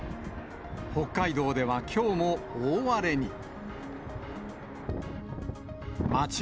北海道ではきょうも大荒れに。